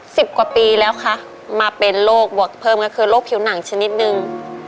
สิบกว่าปีแล้วคะมาเป็นโรคบวกเพิ่มก็คือโรคผิวหนังชนิดนึง